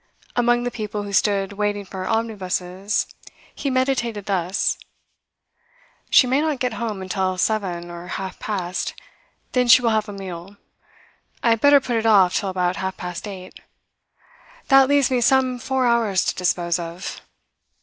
Among the people who stood waiting for omnibuses, he meditated thus: 'She may not get home until seven or half past; then she will have a meal. I had better put it off till about half past eight. That leaves me some four hours to dispose of.